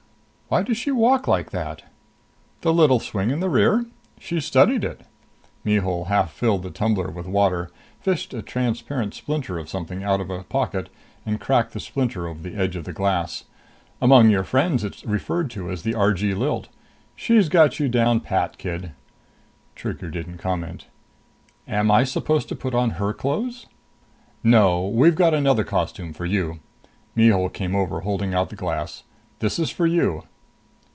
"Why does she walk like that?" "The little swing in the rear? She's studied it." Mihul half filled the tumbler with water, fished a transparent splinter of something out of a pocket and cracked the splinter over the edge of the glass. "Among your friends it's referred to as the Argee Lilt. She's got you down pat, kid." Trigger didn't comment. "Am I supposed to put on her clothes?" "No. We've got another costume for you." Mihul came over, holding out the glass. "This is for you."